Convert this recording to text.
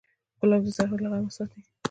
ګلاب د زهرو له غمه ساتي.